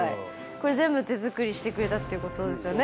これ全部手作りしてくれたっていうことですよね。